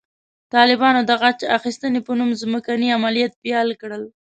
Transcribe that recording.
طالبانو د غچ اخیستنې په نوم ځمکني عملیات پیل کړل.